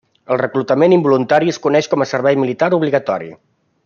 El reclutament involuntari es coneix com a servei militar obligatori.